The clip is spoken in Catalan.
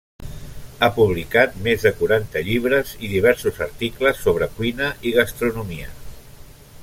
Ha publicat més de quaranta llibres i diversos articles sobre cuina i gastronomia.